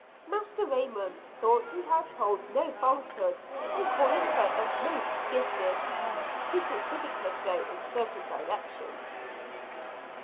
Master Raymond thought he had told no falsehood in calling her the "most gifted" he considered her so in certain directions.